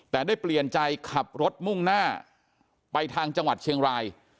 แต่ได้เปลี่ยนใจขับรถมุ่งหน้าไปทางจังหวัดเชียงราย